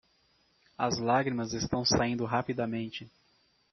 As lágrimas estão saindo rapidamente.